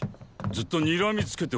ずっとにらみつけておったぞ。